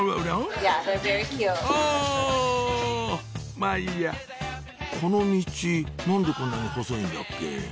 まぁいいやこのミチ何でこんなに細いんだっけ？